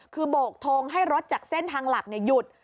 คือโบกทงให้รถจากเส้นทางหลักหยุด